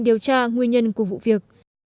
điều tra nguyên nhân của vụ việc